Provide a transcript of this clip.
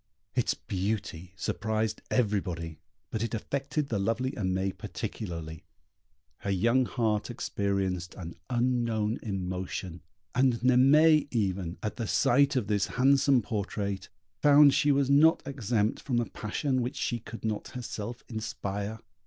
Its beauty surprised everybody, but it affected the lovely Aimée particularly her young heart experienced an unknown emotion; and Naimée even, at the sight of this handsome portrait, found she was not exempt from a passion which she could not herself inspire.